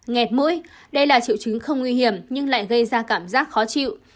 nghẹt mũi đây là triệu chứng không nguy hiểm nhưng lại gây ra cảm giác khó chịu